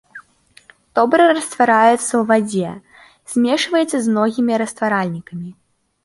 Добра раствараецца ў вадзе, змешваецца з многім растваральнікамі.